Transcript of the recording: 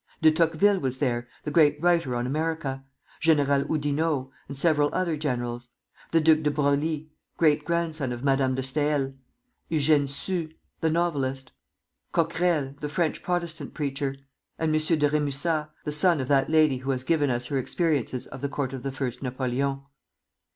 De Tocqueville was there, the great writer on America; General Oudinot, and several other generals; the Duc de Broglie, great grandson of Madame de Staël; Eugène Sue, the novelist; Coquerel, the French Protestant preacher; and M. de Rémusat, the son of that lady who has given us her experiences of the court of the First Napoleon.